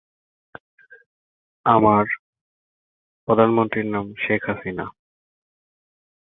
ইমরান আহসানউল্লাহ বিজ্ঞান ও প্রযুক্তি বিশ্ববিদ্যালয়ের ছাত্র ছিলেন।